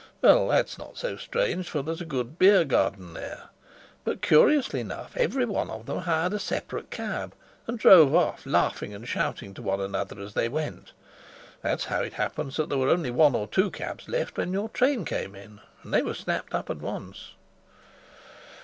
Well, that's not so strange, for there's a good beer garden there. But, curiously enough, every one of them hired a separate cab and drove off, laughing and shouting to one another as they went. That's how it happens that there were only one or two cabs left when your train came in, and they were snapped up at once."